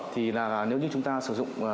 thì là nếu như chúng ta sử dụng